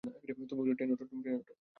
তুমি ট্রেনে উঠো।